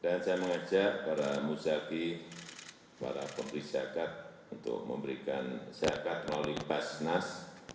dan saya mengajak para musyaki para pemerintah zakat untuk memberikan zakat melalui basnas